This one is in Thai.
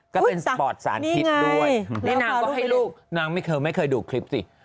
ก็เป็นสปอร์ตสารพิษด้วยนี่นางก็ให้ลูกนางไม่เคยไม่เคยดูคลิปสิ